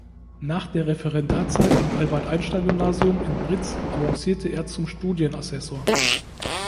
Nach der Referendarzeit am Albert-Einstein-Gymnasium in Britz avancierte er zum Studienassessor.